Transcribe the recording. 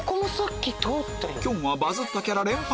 きょんはバズったキャラ連発